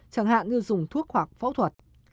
chẳng hạn như dùng thuốc hoặc phẫu thuật